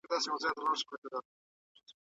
د لویې جرګي د کمیټو راپورونه چېرته اورېدل کیږي؟